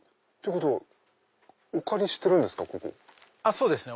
そうですね